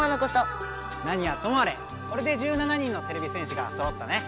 何はともあれこれで１７人のてれび戦士がそろったね！